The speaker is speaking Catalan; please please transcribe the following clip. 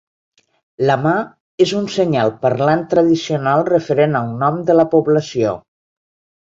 La mà és un senyal parlant tradicional referent al nom de la població.